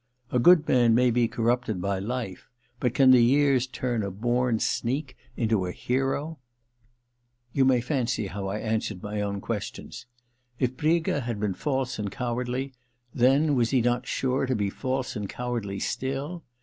A good man may be corrupted by life, but can the years turn a born sneak into a hero ? You may fancy how I answered my own questions* ... If Briga had been false and cowardly then, was he not sure to be false and cowardly still